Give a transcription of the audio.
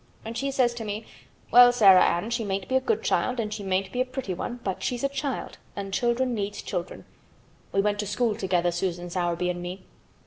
And she says to me, 'Well, Sarah Ann, she mayn't be a good child, an' she mayn't be a pretty one, but she's a child, an' children needs children.' We went to school together, Susan Sowerby and me."